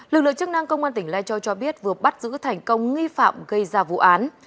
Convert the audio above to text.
lực lượng chức năng công an tỉnh lai châu cho biết vừa bắt giữ thành công nghi phạm gây ra vụ án